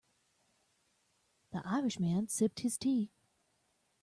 The Irish man sipped his tea.